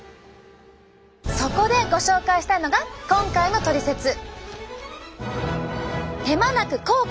そこでご紹介したいのが今回のトリセツ！